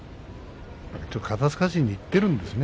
肩すかしにいっているんですね。